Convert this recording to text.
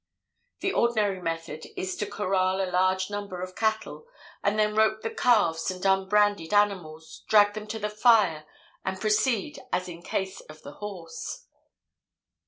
"The ordinary method is to corral a large number of cattle, and then rope the calves and unbranded animals, drag them to the fire and proceed as in case of the horse.